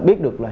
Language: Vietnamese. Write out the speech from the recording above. biết được là